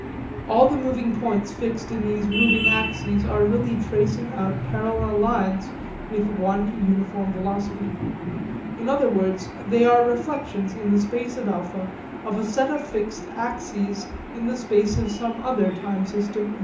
All the moving points fixed in these moving axes are really tracing out parallel lines with one uniform velocity. In other words they are the reflections in the space of α of a set of fixed axes in the space of some other time system β.